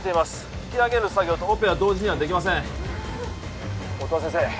引き上げる作業とオペは同時にはできません音羽先生